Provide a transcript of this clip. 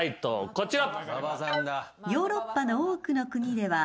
こちら。